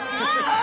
あ？